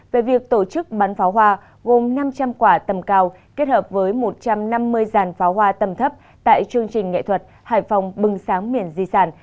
về việc tổ chức bắn pháo hoa gồm năm trăm linh quả tầm cao kết hợp với một trăm năm mươi dàn pháo hoa tầm thấp tại chương trình nghệ thuật hải phòng bừng sáng miền di sản